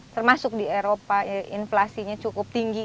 termasuk di eropa inflasinya cukup tinggi